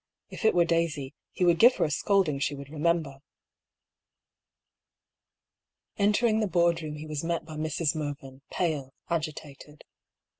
If it were Daisy, he would give her a scolding she would remem ber. Entering the board room he was met by Mrs. Mer vyn, pale, agitated.